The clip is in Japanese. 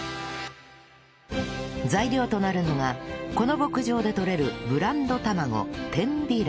材料となるのがこの牧場で取れるブランド卵天美卵